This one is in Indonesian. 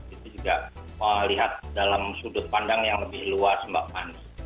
itu juga melihat dalam sudut pandang yang lebih luas mbak manis